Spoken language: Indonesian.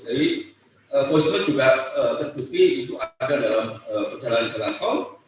jadi voice note juga terkuti itu ada dalam perjalanan perjalanan tol